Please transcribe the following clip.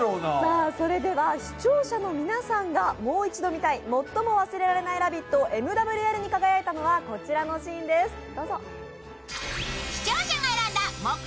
それでは視聴者の皆さんがもう一度見たい最も忘れられないラヴィット・ＭＷＬに輝いたのはこちらのシーンです。